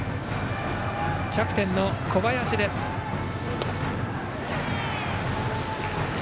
キャプテンの小林が打席。